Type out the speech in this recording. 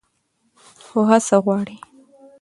خو هڅه غواړي.